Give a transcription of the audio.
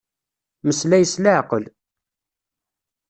Meslay s leɛqel.